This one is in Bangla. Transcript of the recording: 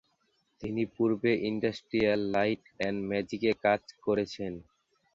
তিনি পূর্বে ইন্ডাস্ট্রিয়াল লাইট অ্যান্ড ম্যাজিকে কাজ করেছেন।